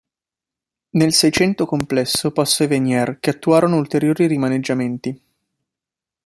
Nel Seicento complesso passò ai Venier che attuarono ulteriori rimaneggiamenti.